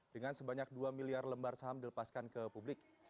dengan sebanyak dua miliar lembar saham dilepaskan ke publik